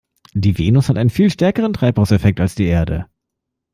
Die Venus hat einen viel stärkeren Treibhauseffekt als die Erde.